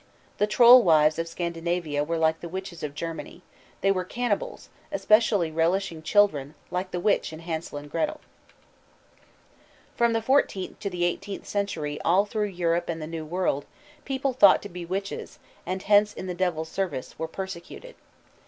The troll wives of Scandinavia were like the witches of Germany they were cannibals, especially relishing children, like the witch in Hansel and Grethel. From the fourteenth to the eighteenth century all through Europe and the new world people thought to be witches, and hence in the devil's service, were persecuted.